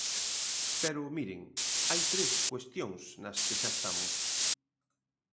Pero miren, hai tres cuestións nas que xa estamos.